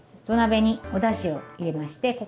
土鍋におだしを入れまして